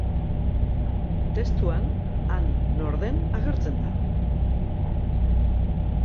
Testuan, Ani nor den agertzen da.